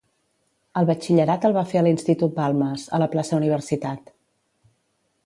El batxillerat el va fer a l'Institut Balmes, a la plaça Universitat.